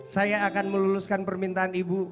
saya akan meluluskan permintaan ibu